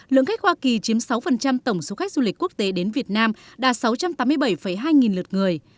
lượng khách hoa kỳ chiếm sáu tổng số khách du lịch quốc tế đến việt nam đạt sáu trăm tám mươi bảy hai nghìn lượt người